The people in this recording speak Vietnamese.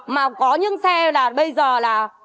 mà có những xe là bây giờ là